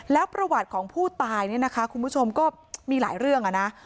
แล้วประวัติของผู้ตายคุณผู้ชมก็มีหลายเรื่อง